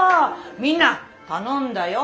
みんな頼んだよ！